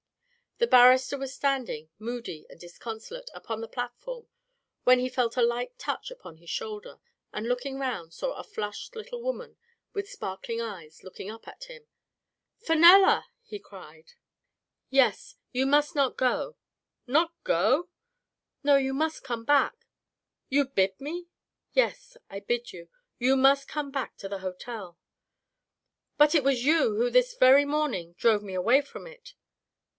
The barrister was standing, moody and disconsolate, upon the plat form, when he felt a light touch upon his shoulder, and looking round, saw a flushed little woman, with sparkling eyes, looking up at him. Fenella !" he cried. Digitized by Google so THE FATE OE EENELlA, " Yes, you must not go." "Not go?" " No, you must come back." "You bid me?" " Yes, I bid you. You must come back to the hotel." " But it was you who this very morning drove me away from it."